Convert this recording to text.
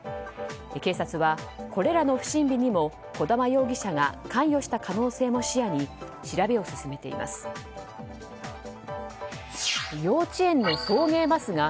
警察は、これらの不審火にも児玉容疑者が関与した可能性も視野に調べを進めています。